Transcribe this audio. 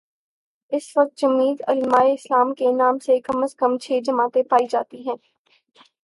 اس وقت جمعیت علمائے اسلام کے نام سے کم از کم چھ جماعتیں پائی جا تی ہیں۔